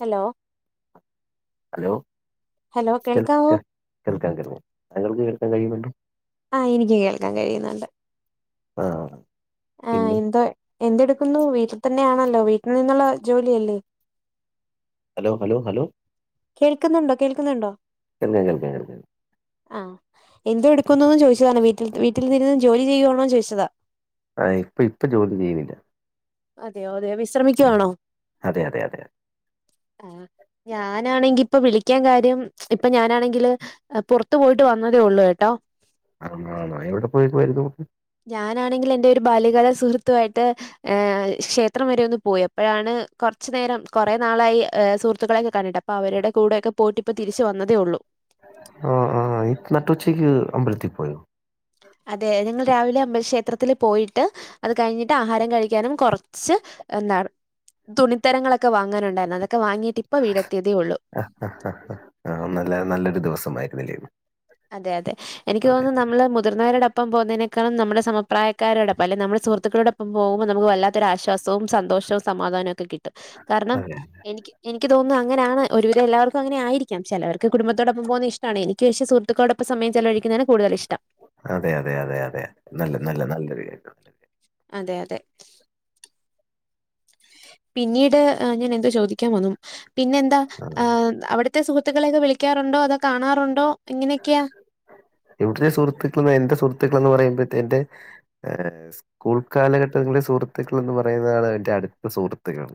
Hello hello hello കേൾ കേൾക്കാവോ കേൾ കേൾക്കാം കേൾക്കാം താങ്കൾക്ക് കേൾക്കാൻ കഴിയുന്നുണ്ടോ? ആഹ് എനിക്ക് കേൾക്കാൻ കഴിയുന്നുണ്ട് ആഹ് [unintelligible] ആഹ് പിന്നെ എന്തോ എന്തെടുക്കുന്നു വീട്ടിൽ തന്നെയാണല്ലോ വീട്ടിൽ നിന്നുള്ള ജോലിയല്ലേ ഹലോ ഹലോ ഹലോ കേൾക്കുന്നുണ്ടോ കേൾക്കുന്നുണ്ടോ [unintelligible] ആഹ് എന്തോ എടുക്കുന്നൂന്ന് ചോദിച്ചതാണ് വീട്ടിൽ വീട്ടിൽ ഇരുന്ന് ജോലി ചെയ്യുകയാണോന്ന് ചോദിച്ചതാ ആഹ് ഇപ്പ ഇപ്പൊ ജോലി ചെയ്യുന്നില്ല അതെയോ അതെയോ വിശ്രമിക്കുവാണോ അതെ അതെ അതെ ആഹ് ഞാനാണെങ്കി ഇപ്പൊ വിളിക്കാൻ കാര്യം ഇപ്പൊ ഞാനാണെങ്കില് പുറത്തു പോയിട്ട് വന്നതേ ഉള്ളൂ കേട്ടോ [unintelligible] എവിടെ പോയേക്കുവാരുന്നു ഞാനാണെങ്കിൽ എന്റെ ഒരു ബാല്യകാലാ സുഹൃത്തു ആയിട്ട് ഏഹ് ക്ഷേത്രം വരെ ഒന്ന് പോയി അപ്പോഴാണ് കുറച്ച് നേരം കുറെ നാളായി ഏഹ് സുഹൃത്തുക്കളെയൊക്കെ കണ്ടിട്ട് അവരുടെ കൂടെയൊക്കെ പോയിട്ട് ഇപ്പോ തിരിച്ച് വന്നതേ ഉള്ളൂ ആഹ് ആഹ് ഇ നട്ട് ഉച്ചക്ക് അമ്പലത്തിൽ പോയൊ അതെ ഞങ്ങൾ രാവിലെ അമ്പൽ ക്ഷേത്രത്തിൽ പോയിട്ട് അത് കഴിഞ്ഞിട്ട് ആഹാരം കഴിക്കാനും കുറ കുറച്ച് എന്താണ് തുണിത്തരങ്ങളൊക്കെ വാങ്ങാനുണ്ടായിരുന്നു അതൊക്കെ വാങ്ങിയിട്ട് ഇപ്പ വീട് എത്തിയതേ ഉള്ളൂ ആഹ് നല്ല നല്ലൊരു ദിവസമായിരുന്നില്ലേയൊ അതെ അതെ എനിക്ക് തോന്നുന്നു നമ്മൾ മുതിർന്നവരോടപ്പം പോകുന്നതിനേക്കളും നമ്മുടെ സമപ്രായക്കാരോടൊപ്പം അല്ലെ നമ്മുടെ സുഹൃത്തുകളോടപ്പ പോകുമ്പോൾ നമുക്ക് വല്ലാത്തൊരു ആശ്വാസവും സന്തോഷവും സമാധാനവും ഒക്കെ കിട്ടും കാരണം എനിക്ക് എനിക്ക് തോന്നുന്നു അങ്ങനെയാണ് ഒരുവിധം എല്ലാർക്കും അങ്ങനെയായിരിക്കാം ചിലർക്ക് കുടുംബത്തോടൊപ്പം പോകുന്നത് ഇഷ്ടാണ് എനിക്ക് പക്ഷേ സു സുഹൃത്തുക്കളോട്ടൊപ്പം സമയം ചിലവഴിക്കുന്നതാണ് കൂടുതലിഷ്ടം അതെ അതെ അതെ അതെ നല്ല നല്ല [unintelligible] അതെ അതെ പിന്നീട് ആഹ്‌ ഞാൻ എന്തോ ചോദിക്കാൻ വന്നു പിന്നെ എന്താ ആഹ് അവിടെ ഉറ്റ സുഹത്തുക്കളൊക്കെ വിളിക്കാറുണ്ടോ അതോ കാണാറുണ്ടോ എങ്ങനെയൊക്കെയാ ഇവിടുത്തെ സുഹൃത്തുക്കൾ എന്റെ സുഹൃത്തുക്കൾ എന്ന് പറയുന്നത് എന്റെ സ്കൂൾ കാലഘട്ടങ്ങളെ സുഹൃത്തുക്കൾ എന്ന് പറയുന്നതാണ് എന്റെ അടുത്ത സുഹൃത്തുക്കൾ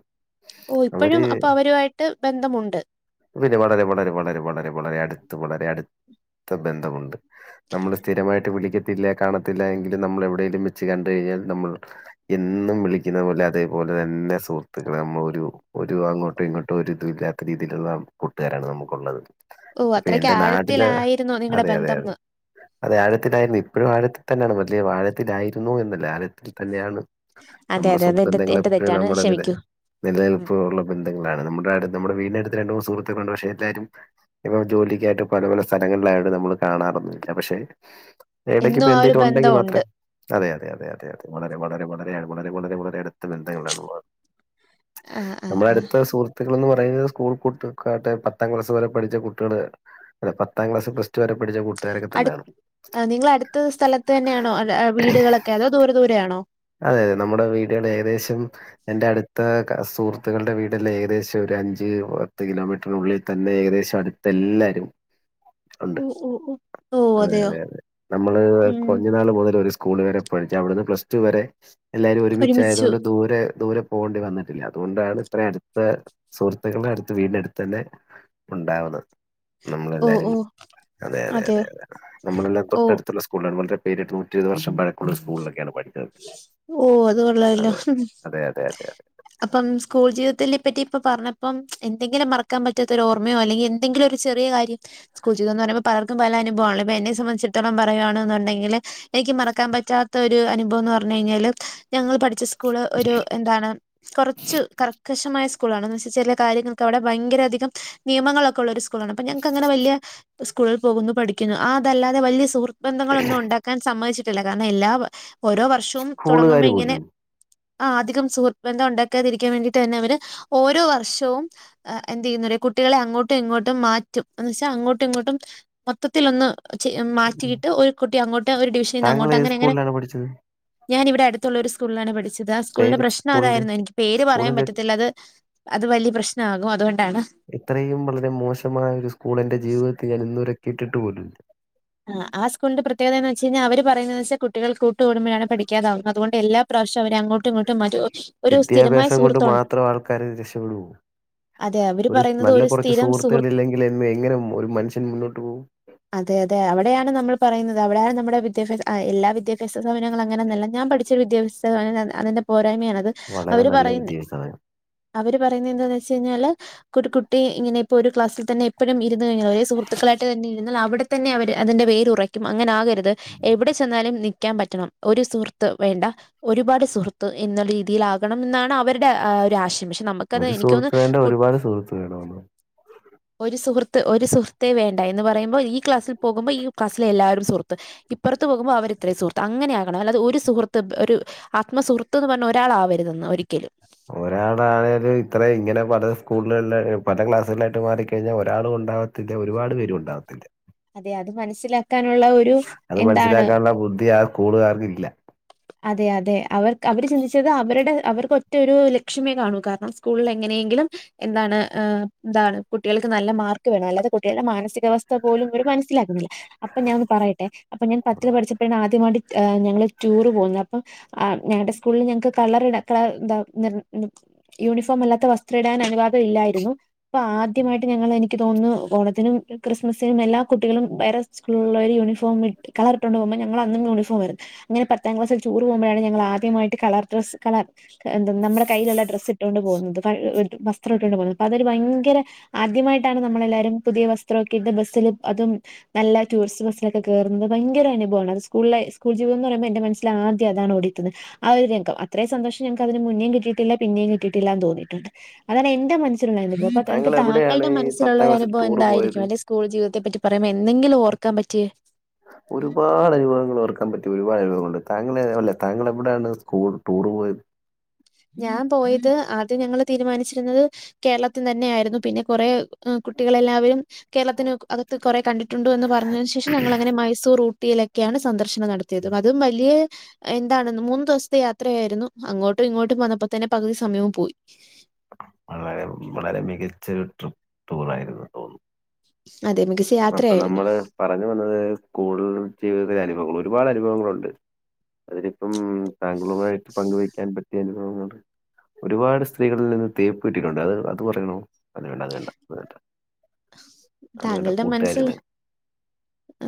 ഓ ഇപ്പോഴും അവര് അപ്പൊ അവരുമായിട്ട് ബന്ധമുണ്ട് പിന്നെ വളരെ വളരെ വളരെ വളരെ വളരെ അടുത്ത് വളരെ അടുത്ത ബന്ധമുണ്ട് നമ്മൾ സ്ഥിരമായിട്ട് വിളിക്കത്തില്ല കാണത്തില്ല എങ്കിലും നമ്മൾ എവിടെലും വെച്ച് കണ്ട് കഴിഞ്ഞാൽ നമ്മൾ എന്നും വിളിക്കുന്ന പോലെ അതേപോലെ തന്നെ സുഹൃത്തുക്കൾ നമ്മൾ ഒരു ഒരു അങ്ങോട്ടോ ഇങ്ങോട്ടോ ഒരു ഇത് ഇല്ലാ രീതിയിലുള്ള കൂട്ടുകാരാണ് നമുക്കുള്ളത് ഓഹ് ഇപ്പൊ അത്രയ്ക്ക് എൻറെ നാട്ടിലെ ആഴത്തിലായിരുന്നോ നിങ്ങടെ അതെ അതെ അതെ ബന്ധംന്ന്? അതെ ആഴത്തിലായിരുന്നു ഇപ്പോഴും ആഴത്തിൽ തന്നെയാണ് വലിയ ആഴത്തിലായിരുന്നു എന്നല്ലേ ആഴത്തിൽ തന്നെയാണ് അതെ നമ്മുടെ അതെ അത് എന്റെ [unintelligible] എന്റെ എപ്പോഴും തെറ്റാണ് നമ്മുടെ നില ക്ഷമിക്കൂ ഉം നിലനിൽപ്പ് ഉള്ള ബന്ധങ്ങളാണ് നമ്മുടെ നമ്മുടെ വീടിനടുത്ത് രണ്ട് മൂന്ന് സുഹൃത്തുക്കൾ ഉണ്ട് പക്ഷേ എല്ലാരും ഇപ്പൊ ജോലിക്കായിട്ട് പലപല സ്ഥലങ്ങളിലായിട്ട് നമ്മള് കാണാറൊന്നില്ല പക്ഷെ ഇടക്ക് എന്നും ഇപ്പൊ ആ ഒരു എന്തേലും ബന്ധം ഉണ്ടെങ്കി ഉണ്ട് മാത്രമേ അതെ അതെ അതെ അതെ വളരെ വളരെ വളരെ വളരെ വളരെ അടുത്ത ബന്ധങ്ങളാണ് [unintelligible] ആഹ് ആഹ് നമ്മുടെ ആഹ് അടുത്ത സുഹൃത്ത് സുഹൃത്തുക്കളെന്ന് പറയുന്നത് സ്കൂൾ [unintelligible] പത്താം ക്ലാസ് വരെ പഠിച്ച കുട്ടികള് പത്താം ക്ലാസ്സ് പ്ലസ്ടു വരെ പഠിച്ച കൂട്ടുകാരൊക്കെ തന്നെയാണ് ആഹ് നിങ്ങൾ അടുത്ത സ്ഥലത്ത് തന്നെയാണോ വീടുകളൊക്കെ അതോ ദൂരെ ദൂരെ ആണോ അതെ അതെ നമ്മുടെ വീടുകൾ ഏകദേശം എന്റെ അടുത്ത സുഹൃത്തുക്കളുടെ വീടെല്ലാം ഏകദേശം ഒരു അഞ്ച് പത്ത് കിലോമീറ്ററിനുള്ളിൽ തന്നെ ഏകദേശം അടുത്ത് എല്ലാരും ഉണ്ട് ഓഹ് ഓഹ് ഓഹ് ഓ അതെ അതെയോ അതെ അതെ നമ്മള് ഉം കുഞ്ഞ് നാൾ മുതൽ ഒരു സ്കൂൾ വരെ പഠിച്ച അവിടുന്ന് പ്ലസ്ടു വരെ എല്ലാവരും ഒരുമിച്ചു ഒരുമിച്ചായതുകൊണ്ട് ദൂരെ ദൂരെ പോകേണ്ടി വന്നിട്ടില്ല അതുകൊണ്ടാണ് ഇത്രയും അടുത്ത സുഹൃത്തുക്കളുടെ അടുത്ത് വീടിന്റെ അടുത്ത് തന്നെ ഉണ്ടാവണ് ഓ നമ്മളെല്ലാരും ഓ അതെ അതെ അതെയോ അതെത നമ്മളെല്ലം ഓ തൊട്ടടുത്തുള്ള സ് കൂളാണ് മറ്റേ പിരിട് നൂറ്റിഎയ് വർഷം പഴക്കുള്ള സ്കൂൾളേക്കാണ് പോയത് ഓഹ് അത് കൊള്ളാലോ അതെ അതെ അതെ അതെ അപ്പം സ്കൂൾ ജീവിതത്തെല്ലിപ്പറ്റി ഇപ്പ പറഞ്ഞപ്പം എന്തെങ്കിലും മറക്കാ പറ്റാത്ത ഒരോർമ്മയോ അല്ലെങ്കി ഇൻ ന്തെങ്കിലും ഒരു ചെറിയ കാര്യം സ്കൂൾ ജീവിതംന്ന് പറയുമ്പോ പലർക്കും പല അനുഭവാണ്ല്ല ഇപ്പ എന്നെ സംബന്ധിച്ചിട്ത്തോളം പറയുകയാണെന്നുണ്ടെങ്കില് എനിക്ക് മറക്കാൻ പറ്റാത്ത ഒരു അനുഭവം ന്ന് പർഞ്ഞഴിഞ്ഞാല് ഞങ്ങള് പഠിച്ച സ്കൂള് ഒരു എന്താണ് കുറച്ച് കർക്കശമായ സ്കൂളാണെന്ന് വച്ച ചലെ കാര്യങ്ങൾക്ക് അവിടെ ഭയങ്കര അധികം നിയമങ്ങളൊക്കെള്ള ഒരു സ്കൂളാണ് അപ്പോ ഞങ്ങക്ക് അങ്ങനെ വലിയ സ്കൂളിൽ പോകുന്നു പഠിക്കുന്നു അതല്ലാതെ വലിയ സുഹൃ ബന്ധങ്ങളൊന്നും ഉണ്ടാക്കാൻ സമ്മതിച്ചിട്ടില്ല കാരണം എല്ലാ ഓരോ വർഷവും തുടങ്ങുമ്പോ സ്കൂളുകാര് ഇങ്ങനെ പോലും ആഹ് അധികം സുഹൃത്ത്ബന്തം ഉണ്ടാക്കാതിരിക്കാൻ വേണ്ടിട്ട് തന്നെ അവര് ഓരോ വർഷവും. എഹ് എന്ത് ചെയ്യുന്നറിയോ കുട്ടികളെ അങ്ങോട്ടും ഇങ്ങോട്ടും മാറ്റും ന്ന് വെച്ചാൽ അങ്ങോട്ടും ഇങ്ങോട്ടും മൊത്തത്തിലൊന്ന്. ചെയ്യും ഉം. മാറ്റിയിട്ട് ഒരു കുട്ടി അങ്ങോട്ട് ഒരു ഡിവിഷൽന്ന് താങ്കൾ അങ്ങോട്ട് ഏത് അങ്ങനെ അങ്ങനെ സ്കൂളിലാണ് പഠിച്ചത്? ഞാനിവിടെ അടു ത്തുള്ള ഒരു സ്കൂളിലാണ് പഠിച്ചത് ആ സ്കൂളിന്റെ പേര് പ്രശ്നം സ്കൂളിന്റെ അതായിരുന്നു എനിക്ക് പേര് പറയാൻ സ്കൂളിന്റെ പറ്റത്തില് ല്ലത് അത് വല്യ പ്രശ്നാകും അതുകൊണ്ടാണ്. ഇത്രയും വളരെ മോശമായ ഒരു സ്കൂൾ എന്റെ ജീവിതത്തി ഞാൻ ഇന്ന് വരെ കേട്ടിട്ട് പോലൂല്ല. ആഹ് ആ സ്കൾന്റെ പ്രത്യേകത എന്ന് വെച്ച്കഴിഞ്ഞാ അവര് പറയുന്നത് വെച്ചൽ കുട്ടികൾ കൂട്ടൂടുമ്പോഴാണ് പഠിക്കാതാവുന്നത് അതുകൊണ്ട് എല്ലാം. പ്രാവശ്യം അവര് അങ്ങോട്ടും ഇങ്ങോട്ടും മാറ്റു ഓഹ് വിദ്യാഭ്യാസം കൊണ്ട് മാത്രം ആൾക്കാര് രക്ഷപ്പെടുവൂ. അതെ അവര് ഒരു പറയുന്നത് നല്ല കുറച്ച് സ്ഥിരം സുഹൃ സുഹൃത്തുക്കൾ ഇല്ലെങ്കിൽ എന്ന് എങ്ങനെ ഒരു മനുഷ്യൻ മുന്നോട്ട് പോകും. അതെ അതെ അവിടെയാണ് നമ്മൾ പറയുന്നത് അവിടെയാണ് നമ്മുടെ വിദ്യാഭാ എല്ലാ വിദ്യാഭ്യാ സാപനങ്ങള് അങ്ങനൊന്നൊഅല്ല ഞാൻ പഠിച്ച വിദ്യാഭാസ് [unintelligible] അതിന്റെ പോരായ്മയാണ് അത് വളരെ അവര് നല്ല പറയുന്നെ വിദ്യാഭ്യാസം വേണം അവര് പറയുന്നത് എന്താന്ന് വെച്ച്ഴിഞ്ഞാല്. ഒരുകുട്ടി ഇങ്ങനെപ്പോ ഒരു ക്ലാസ്സിൽ തന്നെ എപ്പഴും ഇരുന്നു കഴിഞ്ഞാ ഒരേ സുഹൃത്തുക്കളായിട്ട് [unintelligible] എന്നാൽ അവിടെത്തന്നെ അവര് അതിന്റെ വേര് ഉറയ്ക്കും അങ്ങനെ ആകരുത് എവിടെ ചെന്നാലും. ക്കാൻ പറ്റണം ഒരു സുഹൃത്ത് വേണ്ട. ഒരുപാട് സുഹൃത്ത് എന്ന രീതിയിലാകണം ന്നാണ് അവരുടെ ഒരു ആശയം. [unintelligible] നമ്മക്കത് ഒരു എനിക്കൊന്ന് സുഹൃത്ത് വേണ്ട കു ഒരുപാട് സുഹൃത്ത് വേണമെന്ന് ഒരു സുഹൃത്ത് ഒരു സുഹൃത്തേ വേണ്ട എന്ന് പറയ്മ്പൊ ഈ ക്ലാസിൽ പോകുമ്പോ ഈ ക്ലാസിലെ എല്ലാരും സുഹൃ ത് ഇപ്പറത്ത് പോകുമ്പോ അവർ ഇത്രയും സുഹൃത്ത് അങ്ങനെ ആകണം അല്ലാതെ ഒരു സുഹൃത്ത് ഒരു. ആത്മസുഹൃത്ത് എന്ന് പറഞ്ഞ ഒരാൾ ആവരുതെന്ന് ഒരിക്കലും. ഒരാളായാലും ഇത്രയും ഇങ്ങനെ പല സ്കൂളുകളിലെ പല ക്ലാസ്സുകളിലായിട്ട് മാറിക്കഴിഞ്ഞാൽ ഒരാളും ഉണ്ടാവാ. ത്തിന്റെ ഒരുപാട് പേരു ഉണ്ടാകത്തില്ല. അതെ അത് മനസ്സിലാക്കാനുള്ള ഒ അത് മനസ്സിലാക്കാനുള്ള ബുദ്ധി ആ സ്കൂളുകാർക്ക് ഇല്ല. അതെ അതെ അവർക്ക് അവര് ചിന്തിച്ചത് അവരുടെ അവർക്ക് ഒറ്റ ഒരു ലക്ഷ്യമേ കാണൂ കാരണം. സ്കൂളിൽ എങ്ങനെയെങ്കിലും. എന്താണ് എന്താണ് കുട്ടികൾക്ക് നല്ല മാർക്ക് വേണം അല്ലാതെ കുട്ടികളുടെ മാനസികാവസ്ഥ. പോലും മനസിലാക്കുന്നില്ല അപ്പൊ ഞാനൊന്ന് പറയട്ടെ അപ്പൊ ഞാൻ പത്തില് പഠിച്ചപ്പോഴാണ് ആദ്യമായിട്ട്. ഏഹ് ഞങ്ങള് ടൂറ് പോകുന്ന അപ്പം. ആഹ് ഞങ്ങടെ സ്കൂളിൽ ഞങ്ങക്ക് കളർ ഇട എന്താ. യൂണിഫോം അല്ലാത്ത വസ്ത്രം ഇടാൻ അനുവാദം ഇല്ലായിരുന്നു. പ്പൊ ആദ്യമായിട്ട് ഞങ്ങൾ എനിക്ക് തോന്നുന്നു ഓണത്തിനും കൃ സ്മസിനും എല്ലാ കുട്ടികളും വേറെ സ്കൂള്ള ഒരു യൂണിഫോം കളറി ട്ടോണ്ട് പോകുമ്പോ ഞങ്ങള അന്നും യൂണിോം ആയിരുന്നു. അങ്ങനെ പത്താം ക്ലസ്സിൽ ടൂറ് പോകുമ്പോഴാണ് ഞങ്ങൾ ആദ്യമായിട്ട് കളർ ഡ്രസ് കളർ. എഹ് ന്ത്‌ നമ്മുടെ കയ്യിലുള്ള ഡ്രസ്സ് ഇട്ടോണ്ട് പോകുന്നത് ഒരു വസ്ത്രം ഇട്ട്ട്ട് പോകുന്നത് അതൊരു ഭയങ്കര. ആദ്യമായിട്ടാണ് നമ്മളെല്ലാരും പുതിയ വസ്ത്രമൊക്കെ ഇട്ട് ബസ്സില് അതും. നല്ല ടൂറിസ്റ്റ് ബസ്സിലൊക്കെ കറുന്നത് ഭയങ്കരനുഭവമാണ് അത് സ്കൂളില സ്കൂൾ ജീത എന്ന് പറയുമ്പോ എന്റെ മനസ്സില ആദ്യം അതാണ് ഓടിയെത് നത്. ആഹ് ഒരു രംഗം അത്രയും സന്തോഷം ഞങ്ങക്ക് അതിന് മുന്നേ കിട്ടിട്ടില്ല പിന്നും കിട്ടിയിട്ടില്ല എന്ന് തോന്നിട്ടുണ്ട് അതാണ് എന്റെ. അനുഭവം അത്കണക്ക് താങ്കൾ എവിടെയാണ് തങ്കുടെ ഈ മനസ്സിലുള്ള പത്താം ഒരു ക്ലാസ്സിൽ അനുഭവം ടൂർ എന്തായിരിക്കും പോയത് അല്ല സ്കൂൾ ജീവിതത്തെ പറ്റി പറുമ്പോ എന്തെങ്കിലും ഓർക്കാൻ പറ്റേ. ഒരുപാട് അനുഭവങ്ങൾ ഒർക്കാൻ പറ്റി ഒരുപാട് അനുഭവങ്ങളുണ്ട് താങ്കളെ അല്ലേ താങ്കളെവിടെയാണ് സ്കൂൾന്ന് ടൂറ് പോയത്. ഞാൻ പോയത് ആദ്യം ഞങ്ങള് തീരുമാനിച്ചിരുന്നത്. കേരളത്തിന് തന്നെ ആയിരുന്നു പിന്നെ കൊറെ ഉം കുട്ടികളെല്ലാവരും. കേരളത്തിന് അകത്ത് കൊറെ കണ്ടിട്ടുണ്ടോ എന്ന് പറഞ്ഞതിനു ശേഷം ഞങ്ങൾങ്ങനെ മൈസൂർ ഊ ട്ടിയിലൊക്കെയാണ് സന്ദർശനം നടത്തിയതും അതും വലിയ എന്താണെന്ന് മൂന്ന് ദിവസത്തെ യാത്രയായിരുന്നു അങ്ങോട്ടും ഇങ്ങോട്ടും വന്നപ്പോ തന്നെ പകുതി സമയവും പോയി. വളരെ വളരെ മികച്ച ഒരു ട്രിപ്പ്കളായിരുന്നു അത്. അതെ മികച്ച അപ്പൊ യാത്രയായിരുന്നു. നമ്മള് പറഞ്ഞു വന്നത് സ്കൂൾ ജീവിതത്തില അനുഭവങ്ങൾ ഒരുപാട് അനുഭവങ്ങളുണ്ട്. അതിലിപ്പം താങ്കളുമായിട്ട് പങ്കുവയ്ക്കാൻ പറ്റിയ അനുഭവങ്ങണ്ട് ഒരുപാട് സ്ത്രീകളിൽ നിന്ന് തേപ്പ് കിട്ടിട്ടുണ്ട് അത് അത് പറയണോ അല്ല വേണ്ട അത് വേണ്ട അത് വേണ്ട താങ്കളുടെ മനസ്സിൽ കൂട്ടുകാരാണ്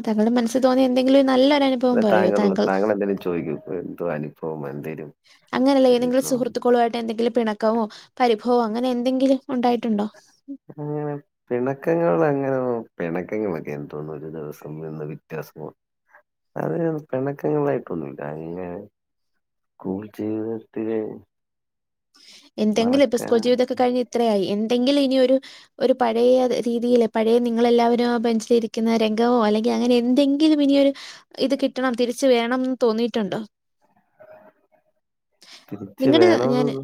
താങ്കളുടെ മനസ്സിൽ തോന്നി എന്തെങ്കിലും നല്ലൊരനുഭവ അത് താങ്കൾ താങ്കൾെന്തായലും ചോദിക്കും എന്തോ അനുഭവം എന്തേലും അങ്ങനെയല്ല ഏതെങ്കിലും അനുഭവം സുഹൃുത്തുക്ക ളുയിട്ട് എന്തെങ്കിലും പിണക്കമോ പരിഭവോ അങ്ങനെ എന്തെങ്കിലും ഉണ്ടായിട്ടുണ്ടോ? [unintelligible] പിണക്കങ്ങൾ അങ്ങനെ പിണക്കങ്ങളൊക്കെ എന്തോന്നു ഒരു ദിവസം നിന്ന് വ്യത്യാസം അത് പിണക്കങ്ങളായിട്ടൊന്നുമില്ല ഇങ്ങെ സ്കൂൾ ജീവിതത്തില് എന്തെങ്കിലും ഇപ്പൊ സ്കൂൾ ജീവിതൊക്കെ കഴിഞ്ഞ് ഇത്രയായി എന്തെങ്കിലും ഇനി ഒരു ഒരു പഴയ രീതിയില് പഴയ നിങ്ങളെല്ലാവരും ആഹ് ബഞ്ചി ലിരിക്കുന്ന രംഗമോ അല്ലെങ്കിൽ അങ്ങനെ എന്തെങ്കും ലും ഇനിയൊരു ഇത് കിട്ടണം തിരിച്ച വേണംന്ന് തോന്നിയിട്ടുണ്ടോ തിരിച്ച് വേണന്ന്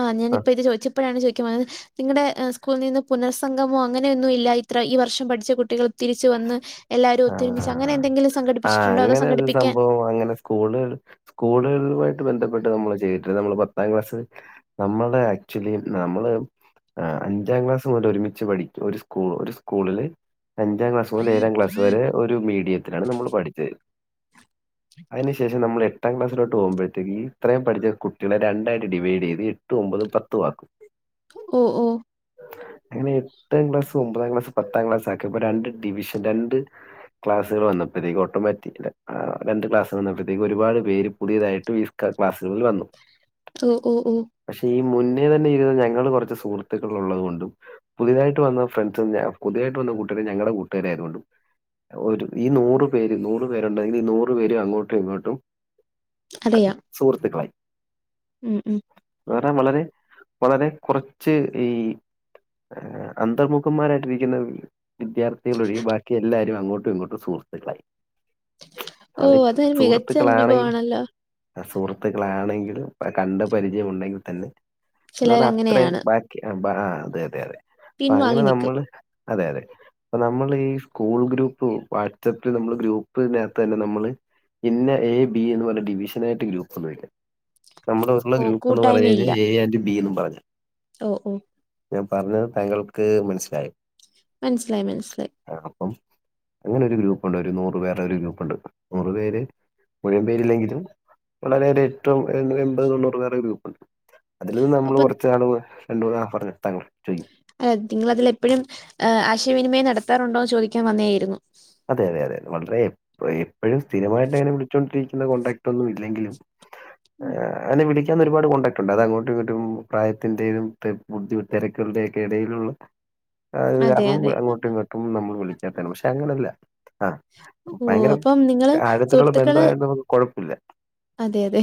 ആഹ് ഞാനിപ്പോ ഇത് ചോദിച്ചപ്പോഴാണ് ചോദിക്കും അത് നിങ്ങളുടെ സ്കൂളിൽ നിന്ന് പുനർസംഗമോ അങ്ങനെയൊന്നും ഇല്ല ഇത്ര ഈ വർഷം പഠിച്ച കുട്ടികൾ തിരിച്ചു വന്ന് എല്ലാവരും ഒത്തൊരുമിച്ച് അങ്ങനെ ആഹ് എന്തെങ്കിലും സംഘടിപ്പിച്ചിട്ടുണ്ടോ? അതോ അങ്ങനെ ഒരു സംഘടിപ്പിക്കാൻ സംഭവം അങ്ങനെ സ്കൂളുകൾ സ്കൂളുകളുമായിട്ട് ബന്ധപ്പെട്ട് നമ്മള് ചെയ്തിട്ടില്ല നമ്മള് പത്താം ക്ലാസ്ൽ നമ്മള്ടെ ആക്ച്വലി നമ്മള് ആഹ് അഞ്ചാം ക്ലാസ് മുതൽ ഒരുമിച്ച് പഠിക്കും ഒരു സ്കൂ ഒരു സ്കൂളില് അഞ്ചാം ക്ലാസ് മുതൽ ഏഴാം ക്ലാസ് വരെ ഒരു മീഡിയത്തിലാണ് നമ്മൾ പഠിച്ചത് അയ്ന് ശേഷം നമ്മൾ എ ട്ടാം ക്ലാസിലോട്ട് പോകുമ്പോഴത്തേക്ക് ഇത്രയും പഠിച്ച കുട്ടികളെ രണ്ടായിട്ട് ഡിവൈഡ് ചെയ്ത് എട്ട്, ഒമ്പത്, പത്തും ആക്കും ഓ ഓ അങ്ങനെ എട്ടാം ക്ലാസ് ഒമ്പതാം ക്ലാസ്സും പത്താം ക്ലാസ്സ് ആക്കിയപ്പോ രണ്ട് ഡിവിഷൻ രണ്ട് ക്ലാസ്സുകൾ വന്നപ്പോഴത്തേക്ക ഓട്ടോമാറ്റി രണ്ട് ക്ലാസുകൾ വന്നപ്പോഴത്തേക്ക് ഒരുപാട് പേര് പുതിയതായിട്ട് ക്കെ ക്ലാസുകളിൽ വന്നു ഓ ഓ ഓ പക്ഷെ ഈ മുന്നേ തന്നെ ഇരുന്ന ഞങ്ങൾ കുറച്ച് സുഹൃത്തുക്കൾ ഉള്ളത് കൊണ്ടും പുതിയതായിട്ട് വന്ന ഫ്രണ്ട്സും പുയതായിട്ട് വന്ന കൂട്ടുകാരർ ഞങ്ങളുടെ കൂട്ടുകാര ആയതുകൊണ്ടും ഒരു ഈ നൂറ പേര് നൂർ പേരുണ്ടെങ്കിൽ ഈ നൂർ പേര് അങ്ങോട്ടും ഇങ്ങോട്ടും അറിയാം സുഹൃത്തുക്കളായി ഉം ഉം വേറെ വളരെ വളരെ കുറച്ച് ഈ അന്തർമുഖന്മാരായിട്ടിരിക്കുന്ന വിദ്യാർത്ഥ കൊഴികെ ബാക്കി എല്ലരും അങ്ങോട്ടും ഇങ്ങോട്ടും സുഹത്തുക്കളായി ഓ അവര് അതൊരു മികച്ച സുഹൃത്തുക്കളാണെങ്കിൽ അനുഭവമാണല്ലോ സുഹൃത്തുക്കളാണെങ്കിലും കണ്ട പരിചയം ഉണ്ടെങ്കിൽ തന്നെ എന്ന് ചിലർ പറഞ്ഞ അത്രയും അങ്ങനെയാണ് ബാക്കി അതെ അതെ അതെ അപ്പൊ അങ്ങനെ പിൻവാങ്ങി നിൽക്കും നമ്മള് അതെ അതെ അപ്പ നമ്മള് ഈ സ്കൂൾ ഗ്രൂപ്പ് വാട്സാപ്പിൽ നമ്മള് ഗ്രൂപ്പിനാത്ത് തന്നെ നമ്മള് ഇന്നെ എ ബി എന്ന് പറഞ്ഞ ഡിവിഷൻ ആയിട്ട് ഗ്രൂപ്പൊന്നും ഇല്ല നമ്മുടെ ഉള്ള ഓ ഗ്രൂപ്പ്ന്ന് പറഞ്ഞ് കഴിഞ്ഞ എ ആൻഡ് ബി എന്ന് പറഞ്ഞു ഓഹ് ഓഹ് ഞാൻ പറഞ്ഞത് താങ്കൾക്ക് മനസ്സിലായോ മനസ്സിലായി മനസ്സിലായി അതാണപ്പം അങ്ങനെ ഒരു ഗ്രൂപ്പുണ്ട് ഒരു നൂറ് പേരുടെ ഒരു ഗ്രൂപ്പുണ്ട് നൂറ് പേര് മുഴുവൻ പേരില്ലെങ്കിലും വളരെ ഏറ്റവും എൺപത് തൊണ്ണൂറ് പേരുടെ ഗ്രൂപ്പുണ്ട് അതിൽ നിന്ന് നമ്മൾ അപ്പൊ കൊറച്ച് ആള് രണ്ട് പറഞ്ഞ താങ്കൾ ചെയ്യും അത് നിങ്ങളതിൽ എപ്പോഴും ആശയവിനിമയം നടത്താറുണ്ടോ എന്ന് ചോദിക്കാൻ വന്നയാരുന്നു അതെ അതെ അതെ വളരെ എപ്പോഴും സ്ഥിരമായിട്ട് അങ്ങനെ വിളിച്ചുകോണ്ടിരിക്കുന്ന കോൺടാക്ട് ഒന്നും ഇല്ലെങ്കിലും ആ അങ്ങനെ വിളിക്ക ക്കാൻ ഒരുപാട് കോണ്ടാക്ട് ഉണ്ട് അത് അങ്ങോട്ടും ഇങ്ങോട്ടും പ്രായത്തിന്റെയും ബുദ്ധി തിരക്കുകളുടെ ഒക്കെ ഇടയിലുള്ള ആ ഇത് അതെ കാരണം അതെ അങ്ങോട്ടും ഇങ്ങോട്ടും നമ്മൾ വിളിക്കാത്താണ് പക്ഷെ അങ്ങനല്ല. ആ ഓഹ് ഭയങ്കര അപ്പം നിങ്ങള് ആഴത്തിലുള്ള സുഹൃത്തുക്കള് ബന്ധമായത് നമുക്ക് കുഴപ്പമില്ല അതെ അതെ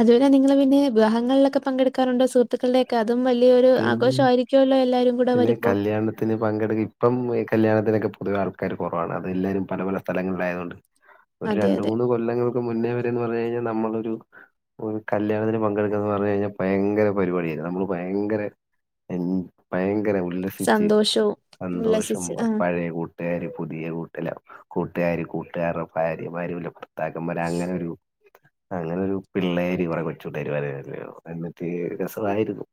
അതുപോലെ നിങ്ങള് പിന്നെ വിവാഹങ്ങളിലൊക്കെ പങ്കെടുക്കാറുണ്ടോ സുഹൃത്തുക്കളുടെ അതും വലിയൊരു പിന്നെ ആഘോഷം ആയിരിക്കുമല്ലോ എല്ലാരും കൂടെ വരുമ്പോ ത്തിന് പങ്കെടുക്ക ഇപ്പംഈ കല്യാണത്തിനക്കെ പൊതുവെ ആൾക്കാര് കുറവാണ് അത് എല്ലാവരും പല പല സ്ഥലങ്ങളിലായത് കൊണ്ട് ഒരു അതെ രണ്ട അതെ മൂന്ന് കൊല്ലങ്ങൾക്ക് മുന്നേ വരെന്ന് പറഞ്ഞാ കഴിഞ്ഞാൽ നമ്മളൊരു ഒരു കല്യാണത്തി പങ്കെടുക്കാന്ന് പറഞ്ഞ് കഴിഞ്ഞാൽ ഭയങ്കര പരിപാടിയരുന്നു നമ്മള് ഭയ ഭയങ്കര എൻ ഭയങ്കര ഉല്ലസിച്ച് സന്തോഷവും സന്തോഷം ഉല്ലസിച്ച് ആ പഴയ കൂട്ട കൂട്ടുകാര് പുതിയ കൂട്ട് കൂട്ടുകാര് കൂട്ടുകാരുടെ ഭാര്യമാര് ഭർത്താക്കമ്മാര് പോലെ അങ്ങനൊരു അങ്ങനൊരു പിള്ളേര് കൊറെ കൊച്ചുകുട്ടാർ [unintelligible] എന്നിട്ട് രസമായിരുന്നു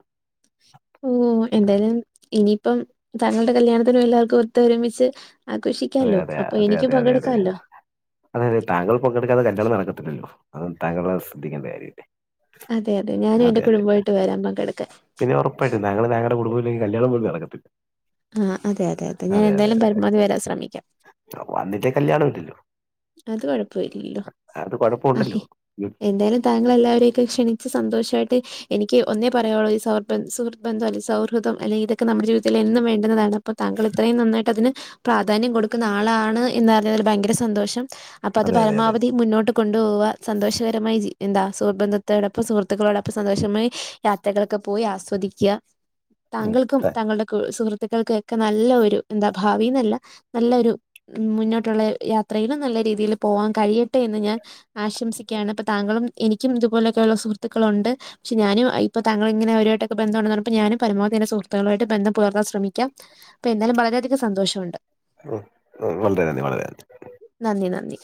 ഓഹ് എന്തായാലും ഇനിയിപ്പം താങ്കളുടെ കല്യാണത്തിനും എല്ലാവർക്കും ഒത്തൊരുമിച്ച് അതെ ആഘോഷിക്കാലോ അപ്പൊ എനിക്കും പങ്കെടുക്കാല്ലോ അതെതെ താങ്കൾ പങ്കെടുക്കാതെ കല്യാണം നടക്കത്തില്ലല്ലോ അതും താങ്കള് ശ്രദ്ധിക്കേണ്ട കാര്യമല്ലേ അതെ അതെ ഞാനും എന്റെ കുടുംബവുമായിട്ട് വരാം പങ്കെടുക്കാൻ പിന്നെ ഉറപ്പായിട്ടും ഞങ്ങള് [unintelligible] പോലും നടക്കത്തില്ല ആഹ് അതെ അതെ ഞാൻ എന്തായാലും പരമാവധി വരാൻ ശ്രമിക്കാം വന്നില്ലേ കല്യാണം ഇല്ലല്ലോ അത് കൊഴപ്പം ഇല്ലല്ലോ അത് ആ കുഴപ്പമുണ്ടല്ലോ എന്തായാലും താങ്കൾ എല്ലാവരെയും ഒക്കെ ക്ഷണിച്ച് സന്തോഷമായിട്ട് എനിക്ക് ഒന്നേ പറയാനുള്ളൂ ഈ സർ സുഹ്യത്ബന്ധം അ സൗഹൃദം അല്ലെങ്കിൽ ഇതൊക്കെ നമ്മുടെ ജീവിതത്തിൽ എന്നും വേണ്ടുന്നതാണ് അപ്പൊ താങ്കൾ ഇത്രയും നന്നായിട്ട് അതിന് പ്രാധാന്യം കൊടുക്കുന്ന ആളാണ് എന്ന് അറഞ്ഞതില് ഭയങ്കര സന്തോഷം ഉണ്ട് അപ്പൊ അത് അതെ അതെ അതെ പരമാവധി മുന്നോട്ട് കൊണ്ടു പോകുക സന്തോഷകരമായി എന്താ സുഹൃത് ബന്ധത്തോടൊപ്പം സുഹൃത്തുക്കളോടൊപ്പം സന്തോഷമായി യാത്രകളൊക്കെ പോയി ആസ്വദിക്കുക ഉം, താങ്കൾക്കും താ- താങ്കളുടെ സുഹൃത്തുക്കൾക്കും നല്ല ഒരു എന്താ ഭാവിന്നല്ല നല്ലൊരു മുന്നോട്ടുള്ള യാത്ര നല്ല രീതിയിൽ പോവാൻ കഴിയട്ടെ എന്ന് ഞാൻ ആശംസിക്കുകയാണ് അപ്പൊ താങ്കളും എനിക്കും ഇതുപോലെയൊക്കെയുള്ള സുഹൃത്തുക്കളുണ്ട് പക്ഷേ ഞാനും ഇപ്പൊ തങ്കളും ഇങ്ങനെ അവരുമായിട്ടൊക്കെ ബന്ധുമുണ്ടെന്ന് പറഞ്ഞപ്പോ ഞാനും പരമാവധി എന്റെ സുഹൃത്തുക്കളുമായിട്ട് ബന്ധം പുലർത്താൻ ശ്രമിക്കാം അപ്പൊ എന്താലും വളരെയധികം സന്തോഷമുണ്ട് ഉം വളരെ നന്ദി വളരെ നന്ദി നന്ദി നന്ദി